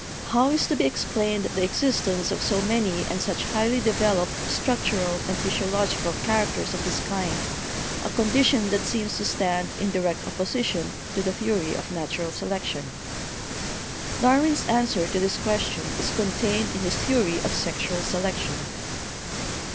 How is to be explained the existence of so many and such highly developed structural and physiological characters of this kind, a condition that seems to stand in direct oppo sition to the theory of natural selection? Darwin's an swer to this question is contained in his theory of sexual selection.